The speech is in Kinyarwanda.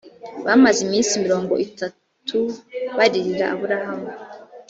bamaze iminsi mirongo itatu baririra aburahamu